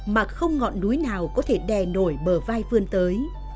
mà không ngọn núi nào có thể đè nổi bờ vai vươn tới